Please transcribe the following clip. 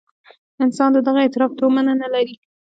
انسان د دغه اعتراف تومنه نه لري.